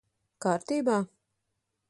Kārtībā?